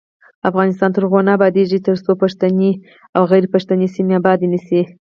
افغانستان تر هغو نه ابادیږي، ترڅو پښتني او غیر پښتني سیمې ابادې نشي.